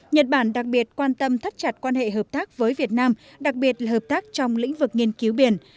nhật bản đặc biệt quan tâm thắt chặt quan hệ hợp tác với việt nam đặc biệt là hợp tác trong lĩnh vực nghiên cứu biển